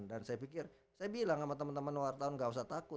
dan saya pikir saya bilang sama teman teman wartawan gak usah takut